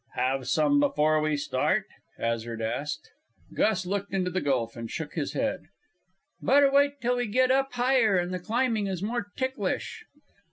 "Have some before we start?" Hazard asked. Gus looked into the gulf and shook his head. "Better wait till we get up higher and the climbing is more ticklish."